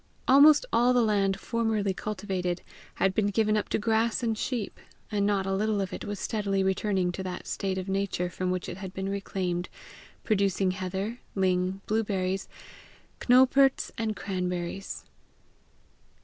Almost all the land formerly cultivated had been given up to grass and sheep, and not a little of it was steadily returning to that state of nature from which it had been reclaimed, producing heather, ling, blueberries, cnowperts, and cranberries.